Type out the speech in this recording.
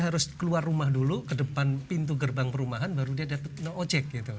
kalau saya mau keluar rumah dulu ke depan pintu gerbang perumahan baru dia dapat mengojek gitu